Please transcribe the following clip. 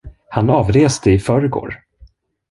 Han avreste i förrgår.